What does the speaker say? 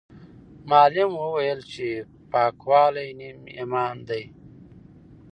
معلم وویل چې پاکوالی نیم ایمان دی.